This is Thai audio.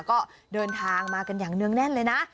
ก็เดินทางมากันอย่างเนื่องแน่นเลยนะ